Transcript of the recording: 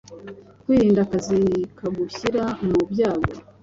kwirinda akazi kagushyira mu byago